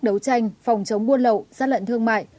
đấu tranh phòng chống buôn lậu gian lận thương mại